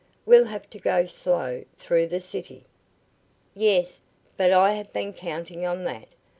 "We'll have to go slow through the city." "Yes, but I have been counting on that.